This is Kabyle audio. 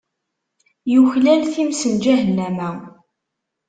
Yuklal times n Ǧahennama.